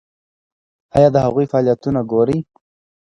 ایا د هغوی فعالیتونه ګورئ؟